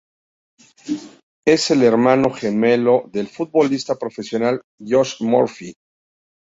Es el hermano gemelo del futbolista profesional Josh Murphy.